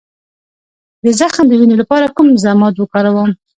د زخم د وینې لپاره کوم ضماد وکاروم؟